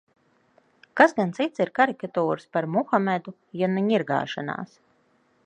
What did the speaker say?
Kas gan cits ir karikatūras par Muhamedu, ja ne ņirgāšanās?